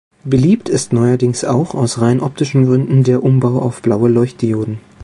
Beliebt ist neuerdings auch aus rein optischen Gründen der Umbau auf blaue Leuchtdioden.